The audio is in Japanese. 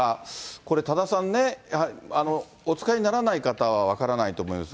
これ、多田さんね、お使いにならない方は分からないと思います。